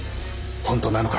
本当なのか？